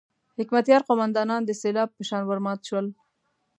حکمتیار قوماندانان د سېلاب په شان ورمات شول.